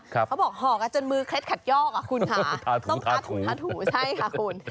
เขาบอกห่อกันจนมือเคล็ดขัดยอกอ่ะคุณค่ะต้องทาถูทาถูใช่ค่ะคุณ